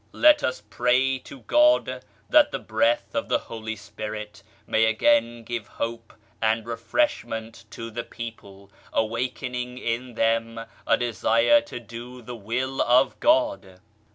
Let us pray to God that the Breath of the Holy Spirit may again give hope and refreshment to the people, awakening in them a desire to do the Will of God.